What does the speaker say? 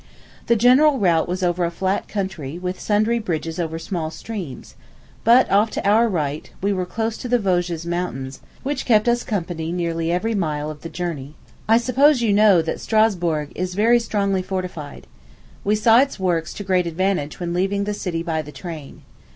The general route was over a flat country, with sundry bridges over small streams; but, off to our right, we were close to the Vosges Mountains, which kept us company nearly every mile of the journey. I suppose you know that Strasburg is very strongly fortified. We saw its works to great advantage when leaving the city by the train.